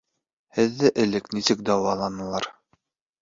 Һеҙҙе элек нисек дауаланылар?